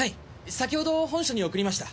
先ほど本署に送りました。